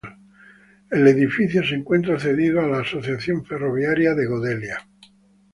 El edificio se encuentra cedido a la Asociación Ferroviaria de Godella.